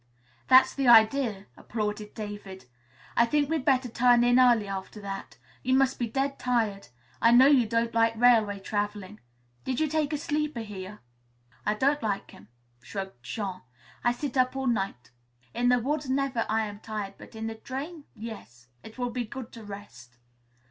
"That's the idea," applauded David. "I think we'd better turn in early at that. You must be dead tired. I know you don't like railway traveling. Did you take a sleeper here?" "I don't lak' him," shrugged Jean. "I sit up all night. In the woods never I am tired, but in the train, yes. It will be good to rest."